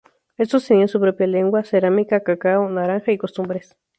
Estos tenían su propia lengua, cerámica, cacao, naranja y costumbres.